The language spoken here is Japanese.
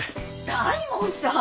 大門さん！